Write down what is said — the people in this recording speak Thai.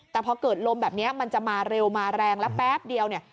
แต่พอเกิดลมแบบนี้มันจะมาเร็วมาแรงแล้วแป๊บเดียวเนี่ย